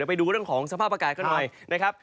ไปดูเรื่องของสภาพอากาศกันหน่อยนะครับ